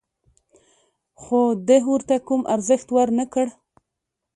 خو ده ورته کوم ارزښت ور نه کړ.